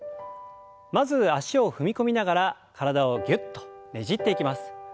まず脚を踏み込みながら体をぎゅっとねじっていきます。